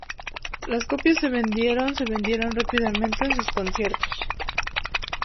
Las copias se vendieron se vendieron rápidamente en sus conciertos.